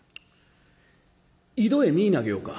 井戸へ身ぃ投げようか。